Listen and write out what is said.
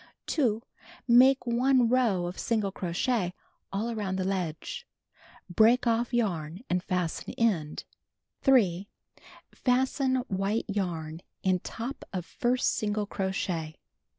2. Make 1 row of single crochet all around the ledge. Break off yarn and fasten end. 3. Fasten white yarn in top of first single crochet.